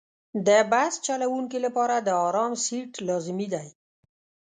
د بس چلوونکي لپاره د آرام سیټ لازمي دی.